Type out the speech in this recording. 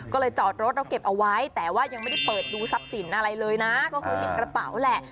ก็เลยจอดรถแล้วเก็บเอาไว้แต่ว่ายังไม่ได้เปิดดูทรัพย์สินอะไรเลยนะก็เคยเห็นกระเป๋าแหละ